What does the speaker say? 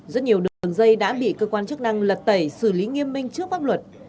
rất nhiều đường dây đã bị cơ quan chức năng lật tẩy xử lý nghiêm minh trước pháp luật